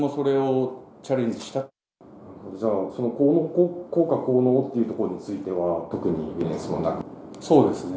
じゃあ、その効果効能っていうところについては、そうですね。